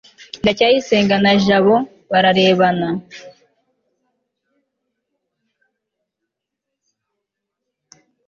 ndacyayisenga na jabo bararebana